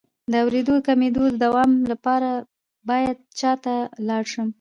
د اوریدو د کمیدو د دوام لپاره باید چا ته لاړ شم؟